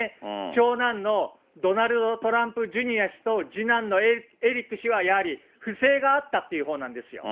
長男のドナルド・トランプジュニア氏と次男のエリック氏は、やはり不正があったという方なんですよ。